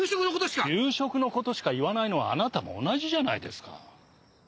給食の事しか言わないのはあなたも同じじゃないですか。